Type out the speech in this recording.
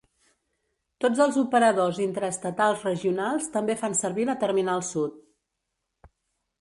Tots els operadors intraestatals regionals també fan servir la Terminal Sud.